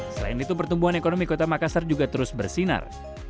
selain itu pertumbuhan ekonomi kota makassar juga terus bersinar